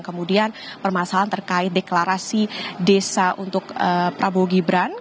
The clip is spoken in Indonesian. kemudian permasalahan terkait deklarasi desa untuk prabowo gibran